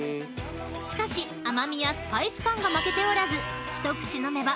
［しかし甘味やスパイス感が負けておらず］